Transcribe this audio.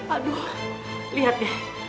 aduh lihat deh